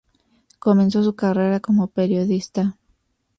Comenzó su carrera como periodista.